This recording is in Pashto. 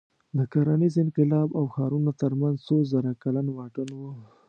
د کرنیز انقلاب او ښارونو تر منځ څو زره کلن واټن و.